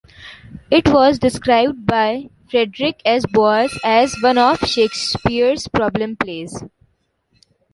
It was described by Frederick S. Boas as one of Shakespeare's problem plays.